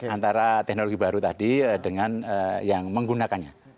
antara teknologi baru tadi dengan yang menggunakannya